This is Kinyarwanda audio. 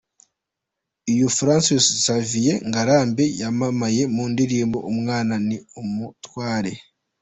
Uyu Francois Xanvier Ngarambe yamamaye mu ndirimbo 'Umwana ni umutware'.